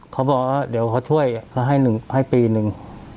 เขาบอกว่าเดี๋ยวเขาช่วยเขาให้ปีหนึ่ง